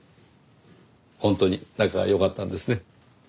本当に仲が良かったんですね。